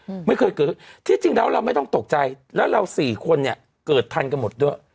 อืมไม่เคยเกิดขึ้นที่จริงแล้วเราไม่ต้องตกใจแล้วเราสี่คนเนี้ยเกิดทันกันหมดด้วย